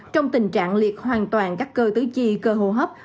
trong tình trạng liệt hoàn toàn các cơ tứ chi cơ hô hấp